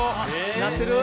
なってる？